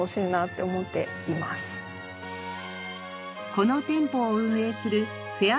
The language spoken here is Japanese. この店舗を運営するフェア